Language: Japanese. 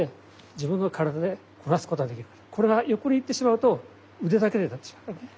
これが横に行ってしまうと腕だけでなってしまうね。